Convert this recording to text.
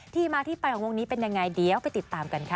ที่มาที่ไปของวงนี้เป็นยังไงเดี๋ยวไปติดตามกันค่ะ